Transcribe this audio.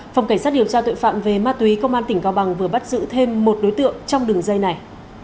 phòng cảnh sát điều tra tội phạm về ma túy công an tỉnh cao bằng vừa bắt giữ thêm một đối tượng trong đường dây này